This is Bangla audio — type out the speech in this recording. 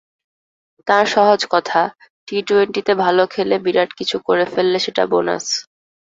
তাঁর সহজ কথা, টি-টোয়েন্টিতে ভালো খেলে বিরাট কিছু করে ফেললে সেটা বোনাস।